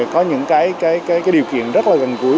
có những điều kiện rất là gần cuối